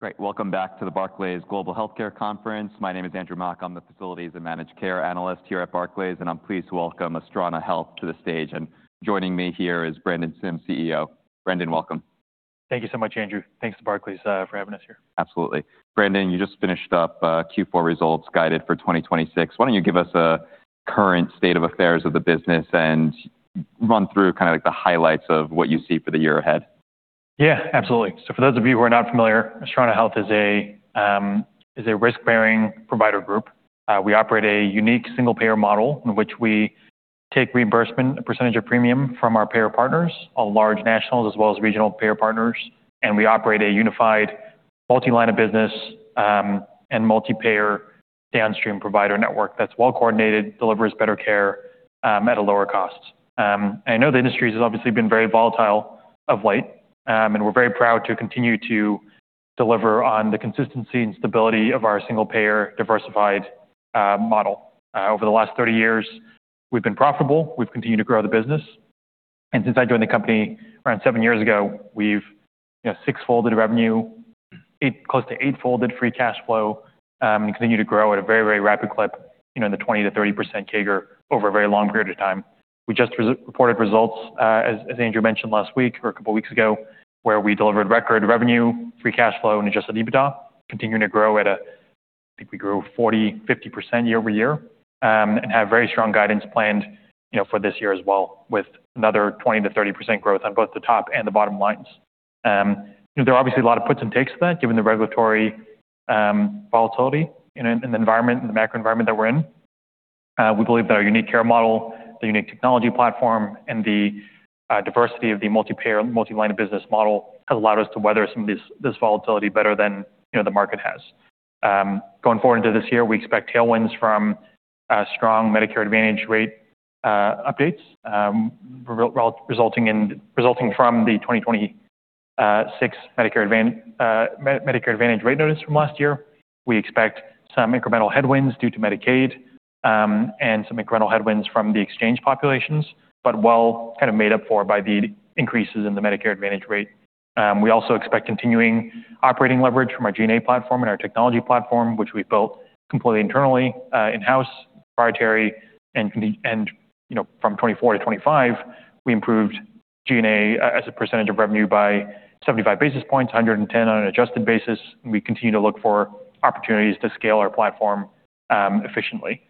Great. Welcome back to the Barclays Global Healthcare Conference. My name is Andrew Mok. I'm the Facilities and Managed Care Analyst here at Barclays, and I'm pleased to welcome Astrana Health to the stage. Joining me here is Brandon Sim, CEO. Brandon, welcome. Thank you so much, Andrew. Thanks to Barclays, for having us here. Absolutely. Brandon, you just finished up Q4 results guided for 2026. Why don't you give us a current state of affairs of the business and run through kinda like the highlights of what you see for the year ahead? Yeah, absolutely. For those of you who are not familiar, Astrana Health is a risk-bearing provider group. We operate a unique single-payer model in which we take reimbursement, a percentage of premium from our payer partners, all large nationals, as well as regional payer partners. We operate a unified multi-line of business and multi-payer downstream provider network that's well coordinated, delivers better care at a lower cost. I know the industry has obviously been very volatile of late, and we're very proud to continue to deliver on the consistency and stability of our single payer diversified model. Over the last 30 years, we've been profitable. We've continued to grow the business. Since I joined the company around seven years ago, we've, you know, six-folded revenue, close to eight-folded free cash flow, and continued to grow at a very, very rapid clip, you know, in the 20%-30% CAGR over a very long period of time. We just reported results, as Andrew mentioned last week or a couple weeks ago, where we delivered record revenue, free cash flow, Adjusted EBITDA, continuing to grow at a I think we grew 40%-50% year-over-year, and have very strong guidance planned, you know, for this year as well, with another 20%-30% growth on both the top and the bottom lines. You know, there are obviously a lot of puts and takes to that given the regulatory volatility in the environment, in the macro environment that we're in. We believe that our unique care model, the unique technology platform, and the diversity of the multi-payer, multi-line of business model has allowed us to weather some of this volatility better than, you know, the market has. Going forward into this year, we expect tailwinds from strong Medicare Advantage rate updates resulting from the 2026 Medicare Advantage rate notice from last year. We expect some incremental headwinds due to Medicaid and some incremental headwinds from the exchange populations, but well kind of made up for by the increases in the Medicare Advantage rate. We also expect continuing operating leverage from our G&A platform and our technology platform, which we built completely internally, in-house, proprietary. You know, from 2024 to 2025, we improved G&A as a percentage of revenue by 75 basis points, 110 on an adjusted basis. We continue to look for opportunities to scale our platform efficiently.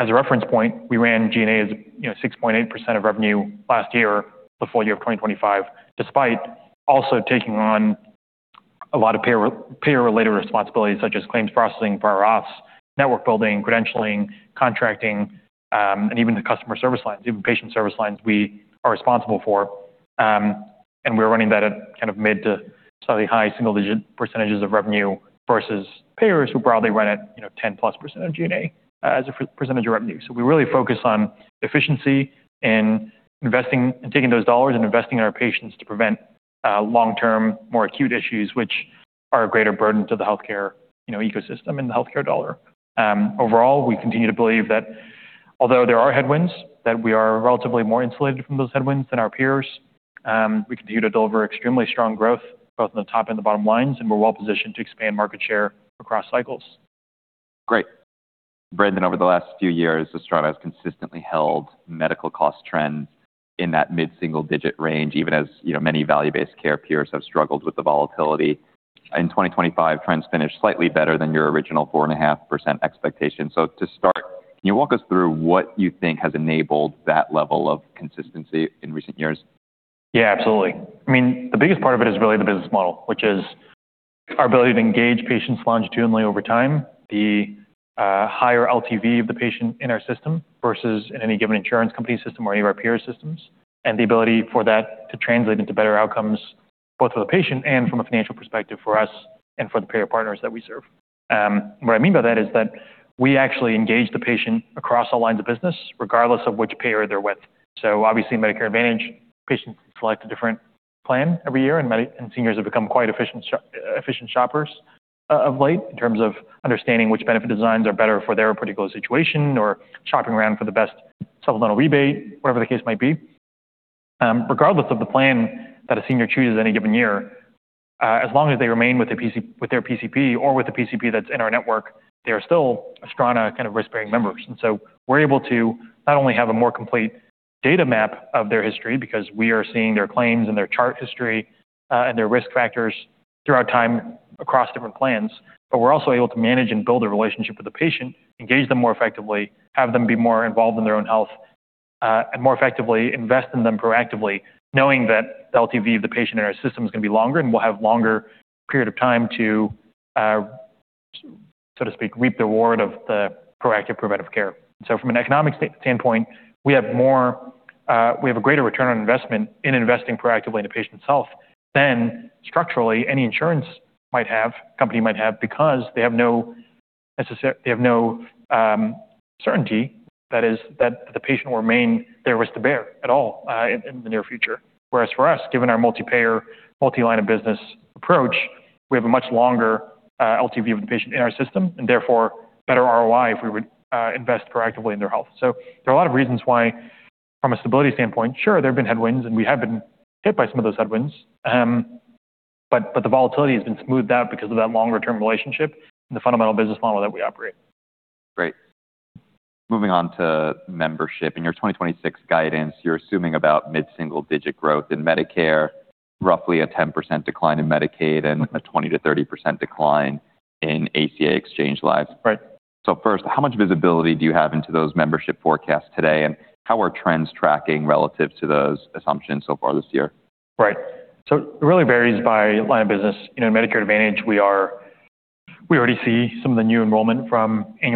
As a reference point, we ran G&A as, you know, 6.8% of revenue last year, the full year of 2025, despite also taking on a lot of payer-related responsibilities such as claims processing for our ops, network building, credentialing, contracting, and even the customer service lines, even patient service lines we are responsible for. We're running that at kind of mid- to slightly high single-digit percentages of revenue versus payers who broadly run at, you know, 10%+ of G&A, as a percentage of revenue. We really focus on efficiency and investing, taking those dollars and investing in our patients to prevent long-term, more acute issues, which are a greater burden to the healthcare, you know, ecosystem and the healthcare dollar. Overall, we continue to believe that although there are headwinds, that we are relatively more insulated from those headwinds than our peers. We continue to deliver extremely strong growth both in the top and the bottom lines, and we're well positioned to expand market share across cycles. Great. Brandon, over the last few years, Astrana has consistently held medical cost trends in that mid-single digit range, even as, you know, many value-based care peers have struggled with the volatility. In 2025, trends finished slightly better than your original 4.5% expectation. To start, can you walk us through what you think has enabled that level of consistency in recent years? Yeah, absolutely. I mean, the biggest part of it is really the business model, which is our ability to engage patients longitudinally over time, the higher LTV of the patient in our system versus in any given insurance company system or any of our peer systems, and the ability for that to translate into better outcomes both for the patient and from a financial perspective for us and for the payer partners that we serve. What I mean by that is that we actually engage the patient across all lines of business regardless of which payer they're with. Obviously, Medicare Advantage patients select a different plan every year, and seniors have become quite efficient shoppers of late in terms of understanding which benefit designs are better for their particular situation or shopping around for the best supplemental rebate, whatever the case might be. Regardless of the plan that a senior chooses any given year, as long as they remain with their PCP or with the PCP that's in our network, they are still Astrana kind of risk-bearing members. We're able to not only have a more complete data map of their history because we are seeing their claims and their chart history, and their risk factors through our time across different plans, but we're also able to manage and build a relationship with the patient, engage them more effectively, have them be more involved in their own health, and more effectively invest in them proactively, knowing that the LTV of the patient in our system is gonna be longer and we'll have longer period of time to, so to speak, reap the reward of the proactive preventive care. From an economic standpoint, we have a greater return on investment in investing proactively in a patient's health than structurally any insurance company might have because they have no certainty that the patient will remain their risk to bear at all in the near future. Whereas for us, given our multi-payer, multi-line of business approach, we have a much longer LTV of the patient in our system and therefore better ROI if we would invest proactively in their health. There are a lot of reasons why. From a stability standpoint, sure, there have been headwinds, and we have been hit by some of those headwinds. The volatility has been smoothed out because of that longer-term relationship and the fundamental business model that we operate. Great. Moving on to membership. In your 2026 guidance, you're assuming about mid-single-digit growth in Medicare, roughly a 10% decline in Medicaid, and a 20%-30% decline in ACA exchange lives. Right. First, how much visibility do you have into those membership forecasts today, and how are trends tracking relative to those assumptions so far this year? Right. It really varies by line of business. You know, in Medicare Advantage, we already see some of the new enrollment from the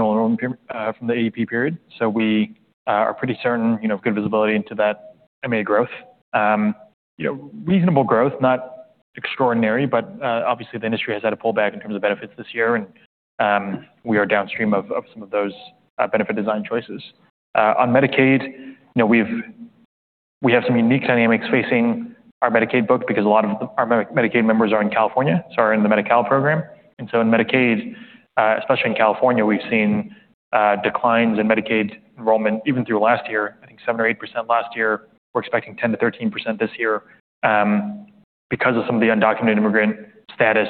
AEP period. We are pretty certain, you know, good visibility into that MA growth. You know, reasonable growth, not extraordinary, but obviously the industry has had a pullback in terms of benefits this year, and we are downstream of some of those benefit design choices. On Medicaid, you know, we have some unique dynamics facing our Medicaid book because a lot of our Medicaid members are in California, so are in the Medi-Cal program. In Medicaid, especially in California, we have seen declines in Medicaid enrollment even through last year, I think 7% or 8% last year. We're expecting 10%-13% this year, because of some of the undocumented immigrant status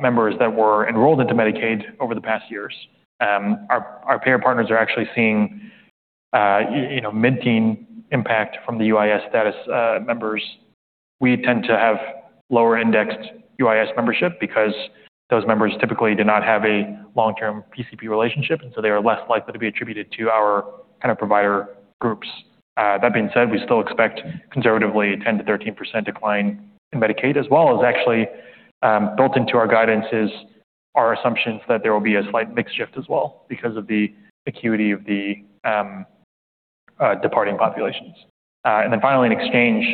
members that were enrolled into Medicaid over the past years. Our payer partners are actually seeing, you know, mid-teen impact from the UIS status members. We tend to have lower indexed UIS membership because those members typically do not have a long-term PCP relationship, and so they are less likely to be attributed to our kind of provider groups. That being said, we still expect conservatively a 10%-13% decline in Medicaid as well as actually, built into our guidance is our assumptions that there will be a slight mix shift as well because of the acuity of the departing populations. Finally in exchange,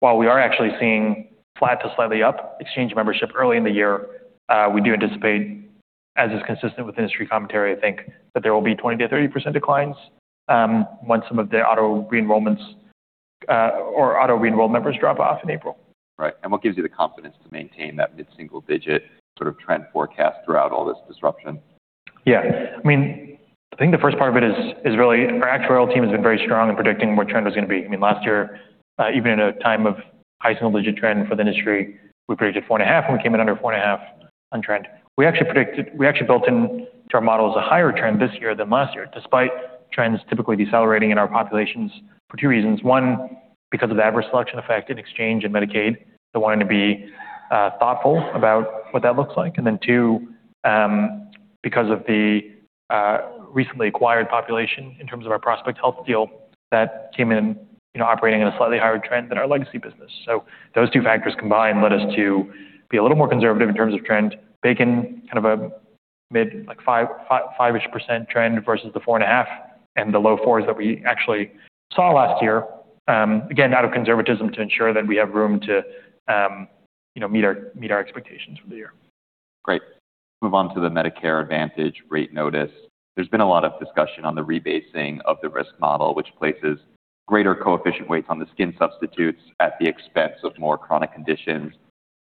while we are actually seeing flat to slightly up exchange membership early in the year, we do anticipate, as is consistent with industry commentary, I think, that there will be 20%-30% declines once some of the auto re-enrollments or auto re-enrolled members drop off in April. Right. What gives you the confidence to maintain that mid-single digit sort of trend forecast throughout all this disruption? Yeah. I mean, I think the first part of it is really our actuarial team has been very strong in predicting what trend was gonna be. I mean, last year, even in a time of high single-digit trend for the industry, we predicted 4.5%, and we came in under 4.5% on trend. We actually built into our models a higher trend this year than last year, despite trends typically decelerating in our populations for two reasons. One, because of the adverse selection effect in exchanges and Medicaid, so wanting to be thoughtful about what that looks like. And then two, because of the recently acquired population in terms of our Prospect Health deal that came in, you know, operating at a slightly higher trend than our legacy business. Those two factors combined led us to be a little more conservative in terms of trend, bake in kind of a mid, like 5-ish% trend versus the 4.5 and the low 4s that we actually saw last year, again, out of conservatism to ensure that we have room to, you know, meet our expectations for the year. Great. Move on to the Medicare Advantage rate notice. There's been a lot of discussion on the rebasing of the risk model, which places greater coefficient weights on the skin substitutes at the expense of more chronic conditions.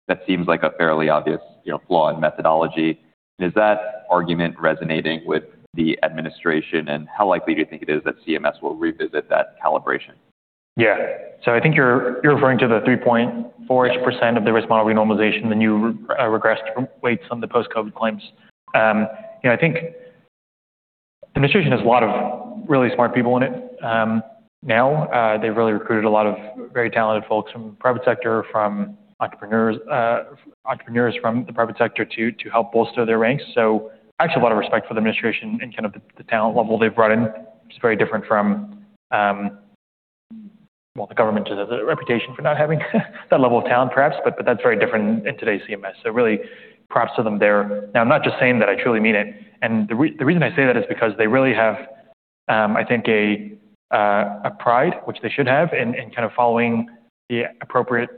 That seems like a fairly obvious, you know, flaw in methodology. Is that argument resonating with the administration, and how likely do you think it is that CMS will revisit that calibration? Yeah. I think you're referring to the 3.4-ish% of the risk model renormalization, the new re-regressed weights on the post-COVID claims. You know, I think the administration has a lot of really smart people in it, now. They've really recruited a lot of very talented folks from private sector, from entrepreneurs from the private sector to help bolster their ranks. I actually have a lot of respect for the administration and kind of the talent level they've brought in. It's very different from, well, the government just has a reputation for not having that level of talent, perhaps, but that's very different in today's CMS. Really props to them there. I'm not just saying that, I truly mean it. The reason I say that is because they really have, I think a pride, which they should have, in kind of following the appropriate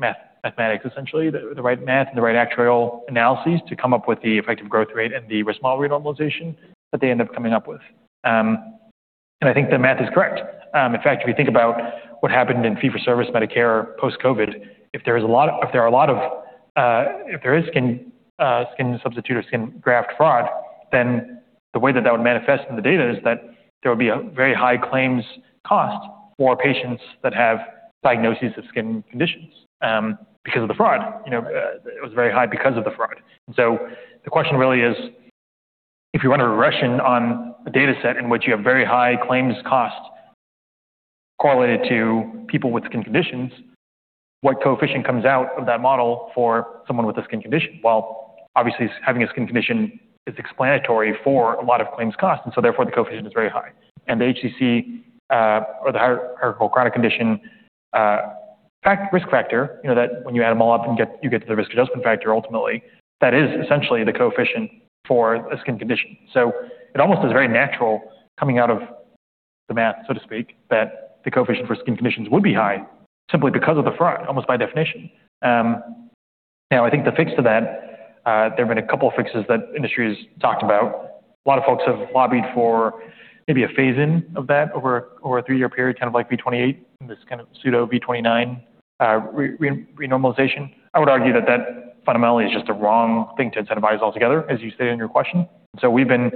mathematics, essentially, the right math and the right actuarial analyses to come up with the effective growth rate and the risk model renormalization that they end up coming up with. I think the math is correct. In fact, if you think about what happened in fee-for-service Medicare post-COVID, if there is skin substitute or skin graft fraud, then the way that that would manifest in the data is that there would be a very high claims cost for patients that have diagnoses of skin conditions, because of the fraud. You know, it was very high because of the fraud. The question really is, if you run a regression on a dataset in which you have very high claims cost correlated to people with skin conditions, what coefficient comes out of that model for someone with a skin condition? Well, obviously, having a skin condition is explanatory for a lot of claims cost, and so therefore the coefficient is very high. The HCC, or the hierarchical condition category risk factor, you know, that when you add them all up, you get to the risk adjustment factor ultimately, that is essentially the coefficient for a skin condition. It almost is very natural coming out of the math, so to speak, that the coefficient for skin conditions would be high simply because of the math, almost by definition. Now I think the fix to that, there have been a couple fixes that industry has talked about. A lot of folks have lobbied for maybe a phase-in of that over a three-year period, kind of like V28 and this kind of pseudo V29, renormalization. I would argue that fundamentally is just the wrong thing to incentivize altogether, as you stated in your question. We've been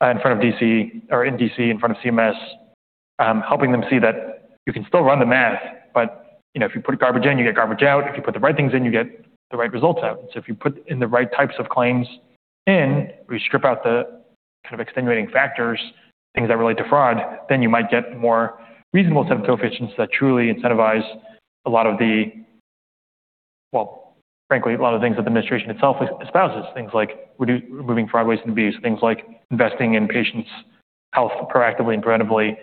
in front of D.C. or in D.C., in front of CMS, helping them see that you can still run the math, but, you know, if you put garbage in, you get garbage out. If you put the right things in, you get the right results out. If you put in the right types of claims in, we strip out the kind of extenuating factors, things that relate to fraud, then you might get more reasonable set of coefficients that truly incentivize a lot of the, well, frankly, a lot of things that the administration itself espouses. Things like removing fraud, waste, and abuse, things like investing in patients' health proactively and preventively,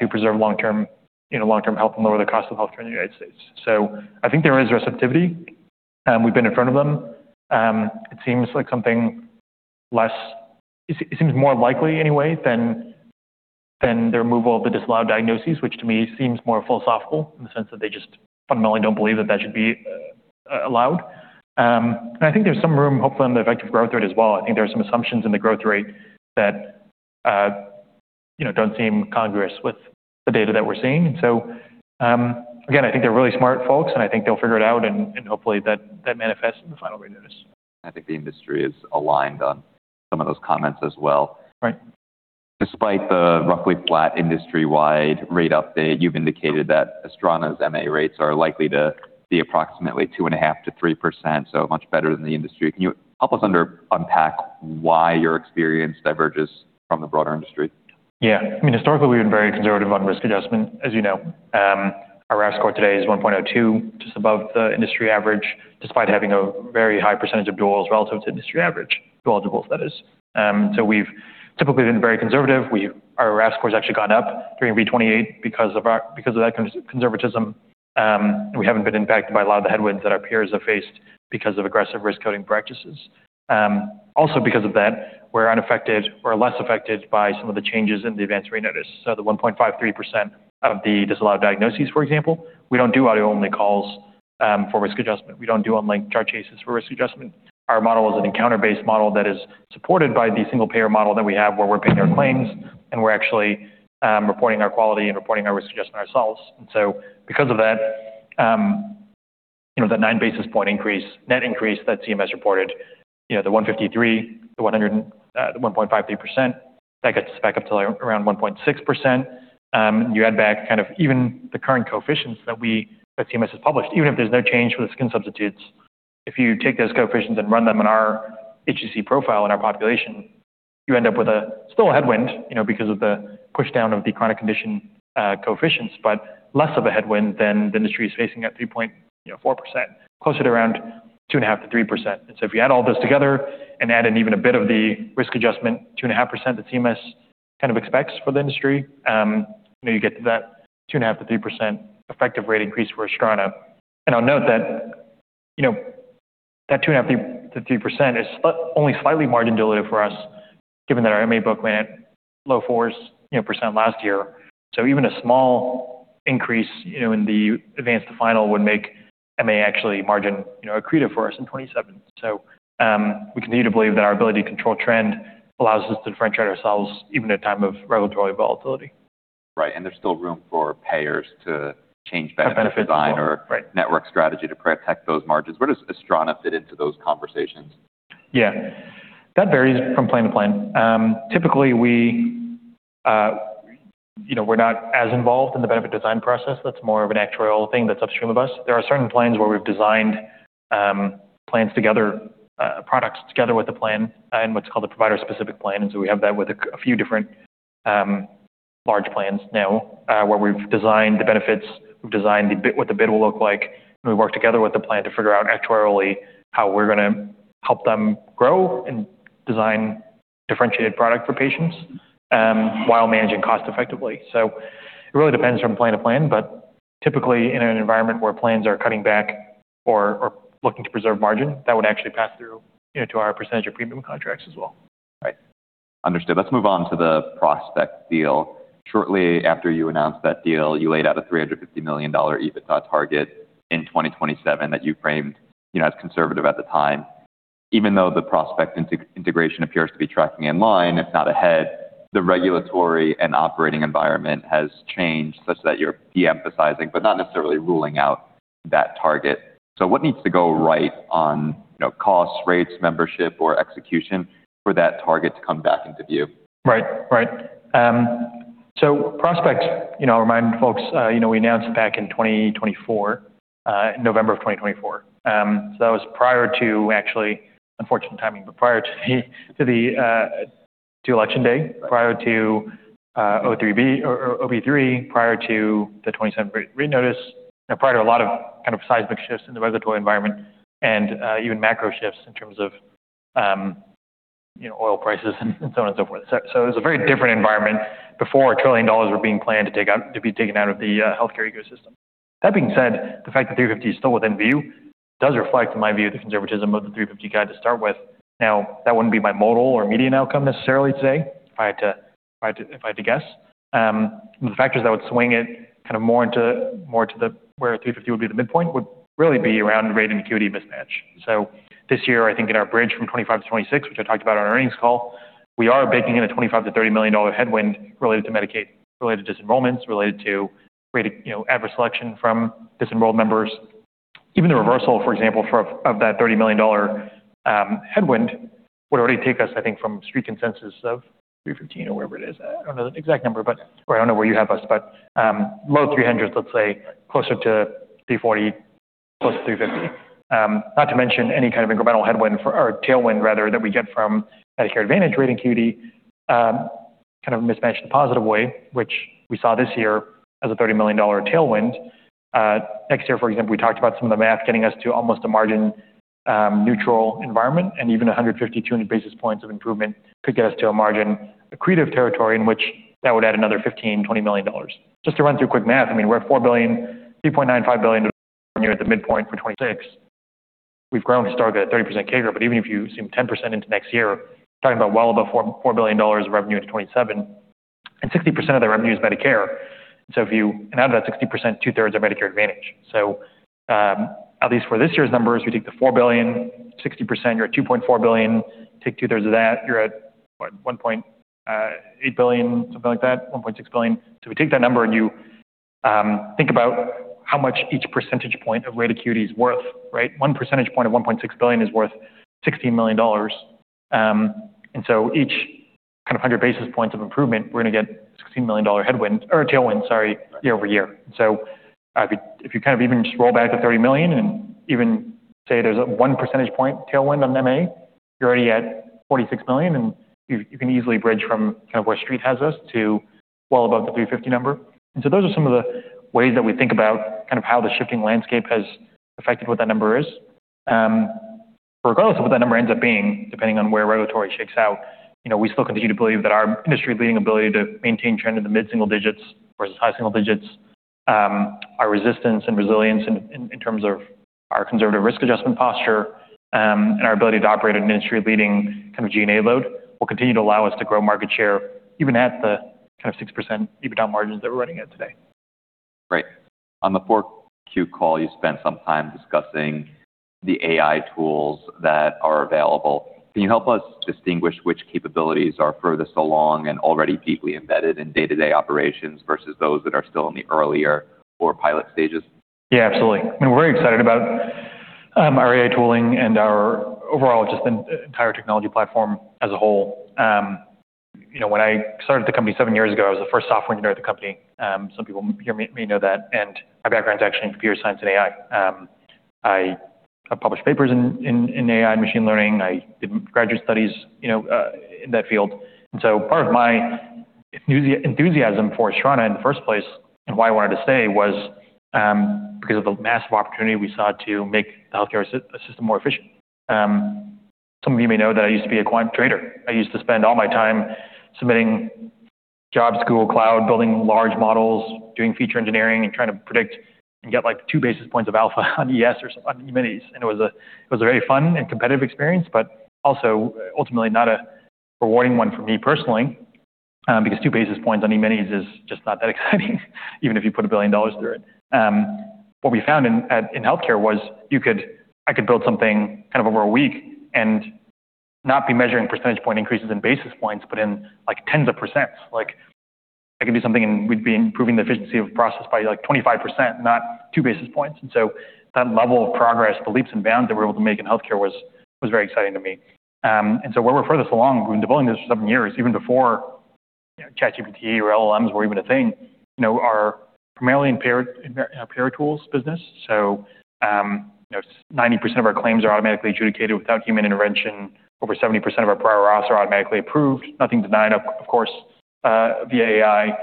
to preserve long-term, you know, long-term health and lower the cost of health care in the United States. I think there is receptivity, we've been in front of them. It seems like something less. It seems more likely anyway than the removal of the disallowed diagnoses, which to me seems more philosophical in the sense that they just fundamentally don't believe that that should be allowed. I think there's some room, hopefully, on the effective growth rate as well. I think there are some assumptions in the growth rate that, you know, don't seem congruous with the data that we're seeing. Again, I think they're really smart folks, and I think they'll figure it out and hopefully that manifests in the final rate notice. I think the industry is aligned on some of those comments as well. Right. Despite the roughly flat industry-wide rate update, you've indicated that Astrana's MA rates are likely to be approximately 2.5%-3%, so much better than the industry. Can you help us unpack why your experience diverges from the broader industry? Yeah. I mean, historically, we've been very conservative on risk adjustment, as you know. Our RAF score today is 1.02, just above the industry average, despite having a very high percentage of duals relative to industry average, dual eligibles, that is. We've typically been very conservative. Our RAF score has actually gone up during V28 because of our conservatism. We haven't been impacted by a lot of the headwinds that our peers have faced because of aggressive risk coding practices. Also because of that, we're unaffected or less affected by some of the changes in the events we noticed. The 1.53% of the disallowed diagnoses, for example, we don't do audio-only calls for risk adjustment. We don't do unlinked chart chases for risk adjustment. Our model is an encounter-based model that is supported by the single-payer model that we have, where we're paying our claims, and we're actually reporting our quality and reporting our risk adjustment ourselves. Because of that, you know, the nine basis point increase, net increase that CMS reported, you know, the 1.53%, that gets us back up to around 1.6%. You add back kind of even the current coefficients that CMS has published, even if there's no change for the skin substitutes, if you take those coefficients and run them in our HCC profile in our population, you end up with a headwind, you know, because of the pushdown of the chronic condition coefficients, but less of a headwind than the industry is facing at 3.4%, you know. Closer to around 2.5%-3%. If you add all those together and add in even a bit of the risk adjustment, 2.5% that CMS kind of expects for the industry, you know, you get to that 2.5%-3% effective rate increase for Astrana. I'll note that, you know, that 2.5%-3% is only slightly margin dilutive for us, given that our MA book went low 4s% last year. Even a small increase, you know, in the advance to final would make MA actually margin, you know, accretive for us in 2027. We continue to believe that our ability to control trend allows us to differentiate ourselves even at a time of regulatory volatility. Right. There's still room for payers to change benefit design. For benefits. network strategy to protect those margins. Where does Astrana fit into those conversations? Yeah. That varies from plan to plan. Typically, we, you know, we're not as involved in the benefit design process. That's more of an actuarial thing that's upstream of us. There are certain plans where we've designed plans together, products together with the plan in what's called a provider-specific plan. We have that with a few different large plans now, where we've designed the benefits, we've designed what the bid will look like, and we work together with the plan to figure out actuarially how we're gonna help them grow and design differentiated product for patients, while managing cost effectively. It really depends from plan to plan, but typically in an environment where plans are cutting back or looking to preserve margin, that would actually pass through, you know, to our percentage of premium contracts as well. Right. Understood. Let's move on to the Prospect deal. Shortly after you announced that deal, you laid out a $350 million EBITDA target in 2027 that you framed, you know, as conservative at the time. Even though the Prospect integration appears to be tracking in line, if not ahead, the regulatory and operating environment has changed such that you're de-emphasizing, but not necessarily ruling out that target. What needs to go right on, you know, cost, rates, membership, or execution for that target to come back into view? Right. Prospect, you know, remind folks, we announced back in 2024, November of 2024. That was prior to actually, unfortunate timing, but prior to the election day, prior to OB3, prior to the 2027 rate notice, you know, prior to a lot of kind of seismic shifts in the regulatory environment and even macro shifts in terms of, you know, oil prices and so on and so forth. It was a very different environment before $1 trillion were being planned to be taken out of the healthcare ecosystem. That being said, the fact that $350 is still within view does reflect, in my view, the conservatism of the $350 guide to start with. Now, that wouldn't be my modal or median outcome necessarily today if I had to guess. The factors that would swing it kind of more to the where 350 would be the midpoint would really be around rate and acuity mismatch. This year, I think in our bridge from 2025 to 2026, which I talked about on our earnings call, we are baking in a $25 million-$30 million headwind related to Medicaid, related to disenrollments, related to rate, you know, adverse selection from disenrolled members. Even the reversal, for example, of that $30 million headwind would already take us, I think, from street consensus of 315 or wherever it is. I don't know the exact number, but I don't know where you have us, but low 300s, let's say, closer to 340, close to 350. Not to mention any kind of incremental headwind or tailwind, rather, that we get from Medicare Advantage star rating, kind of mismatched in a positive way, which we saw this year as a $30 million tailwind. Next year, for example, we talked about some of the math getting us to almost a margin neutral environment, and even 150-200 basis points of improvement could get us to a margin accretive territory in which that would add another $15-20 million. Just to run through quick math, I mean, we're at $4 billion, $3.95 billion at the midpoint for 2026. We've grown historically at a 30% CAGR. Even if you assume 10% into next year, talking about well above $4 billion of revenue into 2027, and 60% of that revenue is Medicare. Out of that 60%, two-thirds are Medicare Advantage. At least for this year's numbers, we take the $4 billion, 60%, you're at $2.4 billion. Take two-thirds of that, you're at 1.8 billion, something like that, 1.6 billion. We take that number, and you think about how much each percentage point of rate acuity is worth, right? One percentage point of $1.6 billion is worth $16 million. Each kind of 100 basis points of improvement, we're gonna get $16 million headwind or tailwind, sorry, year-over-year. If you kind of even just roll back the $30 million and even say there's a one percentage point tailwind on MA, you're already at $46 million, and you can easily bridge from kind of where street has us to well above the $350 number. Those are some of the ways that we think about kind of how the shifting landscape has affected what that number is. Regardless of what that number ends up being, depending on where regulatory shakes out, you know, we still continue to believe that our industry-leading ability to maintain trend in the mid-single digits versus high single digits, our resistance and resilience in terms of our conservative risk adjustment posture, and our ability to operate an industry-leading kind of G&A load will continue to allow us to grow market share even at the kind of 6% EBITDA margins that we're running at today. Right. On the 4Q call, you spent some time discussing the AI tools that are available. Can you help us distinguish which capabilities are furthest along and already deeply embedded in day-to-day operations versus those that are still in the earlier or pilot stages? Yeah, absolutely. I mean, we're very excited about our AI tooling and our overall just the entire technology platform as a whole. You know, when I started the company seven years ago, I was the first software engineer at the company. Some people here may know that. My background's actually in computer science and AI. I published papers in AI and machine learning. I did graduate studies, you know, in that field. Part of my enthusiasm for Astrana in the first place and why I wanted to stay was because of the massive opportunity we saw to make the healthcare system more efficient. Some of you may know that I used to be a quant trader. I used to spend all my time submitting jobs to Google Cloud, building large models, doing feature engineering, and trying to predict and get, like, two basis points of alpha on ES or on E-minis. It was a very fun and competitive experience, but also ultimately not a rewarding one for me personally, because two basis points on E-minis is just not that exciting, even if you put $1 billion to it. What we found in healthcare was I could build something kind of over a week and not be measuring percentage point increases in basis points, but in like tens of %. Like, I could do something, and we'd be improving the efficiency of a process by like 25%, not two basis points. That level of progress, the leaps and bounds that we're able to make in healthcare was very exciting to me. Where we're furthest along, we've been developing this for seven years, even before ChatGPT or LLMs were even a thing. You know, primarily in our payer tools business. You know, 90% of our claims are automatically adjudicated without human intervention. Over 70% of our prior auths are automatically approved. Nothing denied, of course, via AI.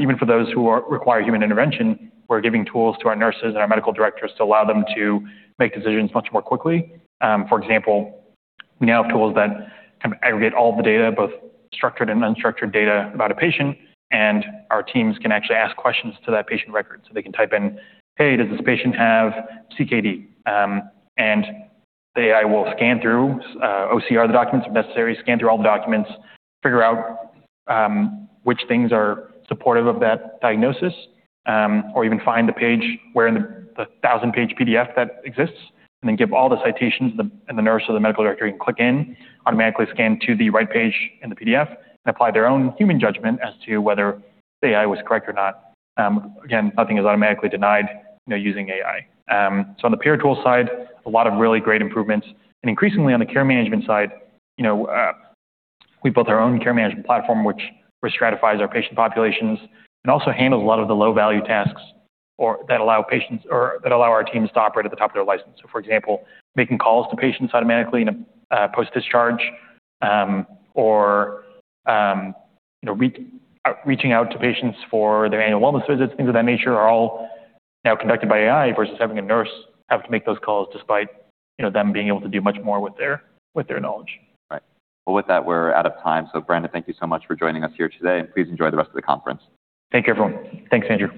Even for those who require human intervention, we're giving tools to our nurses and our medical directors to allow them to make decisions much more quickly. For example, we now have tools that kind of aggregate all the data, both structured and unstructured data about a patient, and our teams can actually ask questions to that patient record. They can type in, "Hey, does this patient have CKD?" The AI will scan through, OCR the documents if necessary, scan through all the documents, figure out which things are supportive of that diagnosis, or even find the page where in the thousand-page PDF that exists, and then give all the citations, and the nurse or the medical director can click in, automatically scan to the right page in the PDF and apply their own human judgment as to whether the AI was correct or not. Again, nothing is automatically denied, you know, using AI. On the payer tool side, a lot of really great improvements. Increasingly on the care management side, you know, we built our own care management platform, which re-stratifies our patient populations and also handles a lot of the low-value tasks or that allow our teams to operate at the top of their license. For example, making calls to patients automatically in a post-discharge or re-reaching out to patients for their annual wellness visits, things of that nature are all now conducted by AI versus having a nurse have to make those calls despite, you know, them being able to do much more with their knowledge. Right. Well, with that, we're out of time. Brandon, thank you so much for joining us here today, and please enjoy the rest of the conference. Thank you, everyone. Thanks, Andrew Mok.